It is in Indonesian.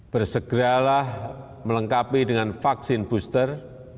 bersegeralah melengkapi dengan vaksin booster